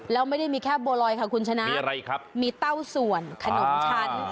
แล้วไม่ได้มีแค่บวรอยค่ะคุณชนะมีเต้าส่วนขนมชัน